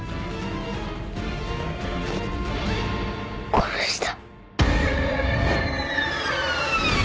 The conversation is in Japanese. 殺した。